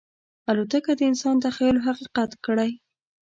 الوتکه د انسان تخیل حقیقت کړی.